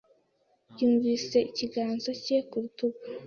Yumvise ikiganza cye ku rutugu.